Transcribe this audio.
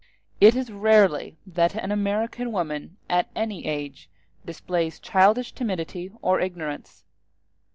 It is rarely that an American woman at any age displays childish timidity or ignorance.